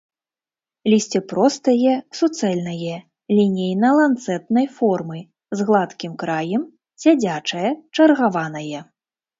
Лісце простае, суцэльнае, лінейна-ланцэтнай формы, з гладкім краем, сядзячае, чаргаванае.